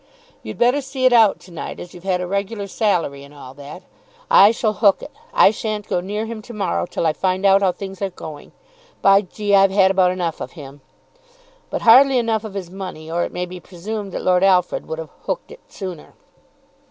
"You'd better see it out to night, as you've had a regular salary, and all that. I shall hook it. I sha'n't go near him to morrow till I find out how things are going. By G , I've had about enough of him." But hardly enough of his money, or it may be presumed that Lord Alfred would have "hooked it" sooner.